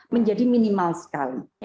menjadi minimal sekali